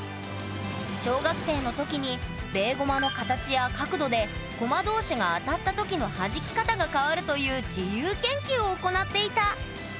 小学生の時にベーゴマの形や角度でコマ同士が当たった時のはじき方が変わるという自由研究を行っていた！